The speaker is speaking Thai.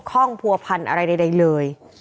ข้องผัวพันธุ์อะไรใดเลย